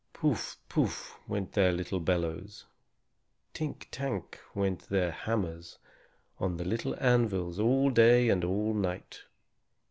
Pouf! pouf! went their little bellows. Tink tank! went their little hammers on their little anvils all day and all night.